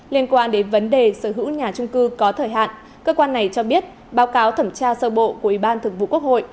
liên quan đến vấn đề sở hữu nhà trung cư có thời hạn cơ quan này cho biết báo cáo thẩm tra sơ bộ của ủy ban thượng vụ quốc hội